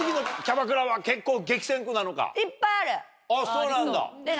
そうなんだ。